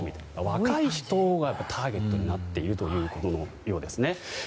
若い人がターゲットになっているということのようです。